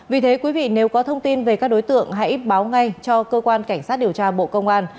vì thế quý vị nếu có thông tin về các đối tượng hãy báo ngay cho cơ quan cảnh sát điều tra bộ công an